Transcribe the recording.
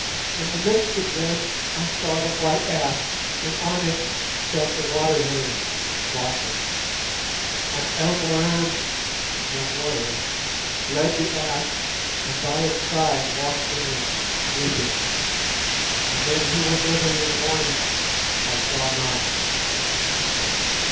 In the midst of them I saw the white ass, and on it sat the Water lily [Flossie]. An Elmoran [young warrior] led the ass, and by its side walked the nurse weeping. The men who went with her in the morning I saw not."